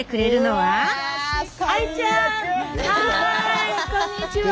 はいこんにちは！